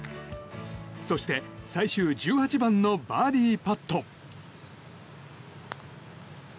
そして最終１８番のバーディーパット。